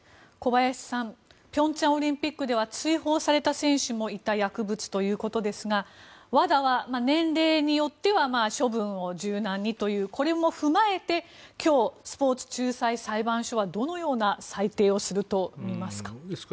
小林さん平昌オリンピックでは追放された選手もいた薬物ということですがＷＡＤＡは年齢によっては処分を柔軟にというこれも踏まえて今日、スポーツ仲裁裁判所はどのような裁定をするとみますか？